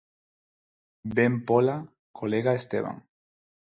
Ben pola colega Esteban.